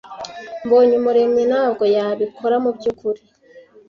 Mbonyumuremyi ntabwo yabikora mubyukuri.